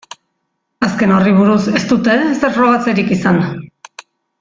Azken horri buruz ez dute ezer frogatzerik izan.